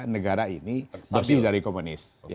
negara ini bersih dari komunis